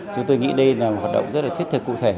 chúng tôi nghĩ đây là một hoạt động rất là thiết thực cụ thể